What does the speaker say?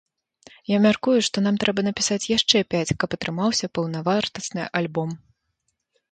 Я мяркую, што нам трэба напісаць яшчэ пяць, каб атрымаўся паўнавартасны альбом.